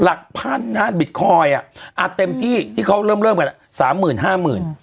หลักพันนะบิตคอยน์อ่ะอ่าเต็มที่ที่เขาเริ่มเริ่มกันอ่ะสามหมื่นห้าหมื่น